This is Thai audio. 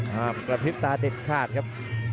ครับกระพริบตาเต็ดคาดครับ